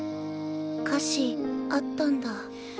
歌詞あったんだ。